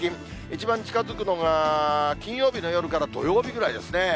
一番近づくのが、金曜日の夜から土曜日ぐらいですね。